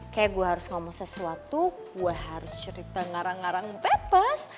kayak gue harus ngomong sesuatu gue harus cerita ngarang ngarang pepes